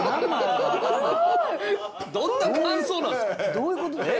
どんな感想なんすか？